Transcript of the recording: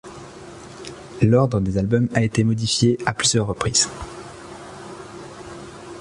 L'ordre des albums a été modifié à plusieurs reprises.